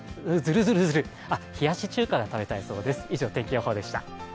あっ、冷やし中華が食べたいそうです。